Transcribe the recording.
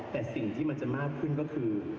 แต่สิ่งที่มันจะมากขึ้นก็คือ